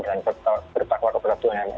dan bertakwa keperluan yang lain